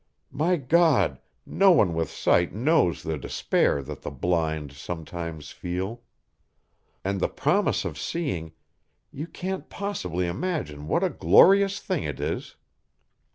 My God, no one with sight knows the despair that the blind sometimes feel. And the promise of seeing you can't possibly imagine what a glorious thing it is.